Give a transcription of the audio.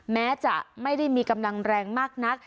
แม้จะไม่ได้มีกำลังแรงมากนัก